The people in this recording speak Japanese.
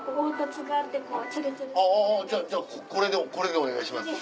じゃあじゃあこれでこれでお願いします。